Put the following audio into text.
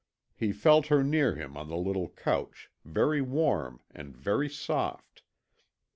He felt her near him on the little couch, very warm and very soft.